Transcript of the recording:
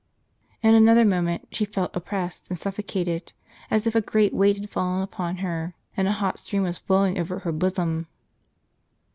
In another moment she felt oppressed and suffocated, as if a great weight had fallen upon her ; and a hot stream was flowing over her bosom.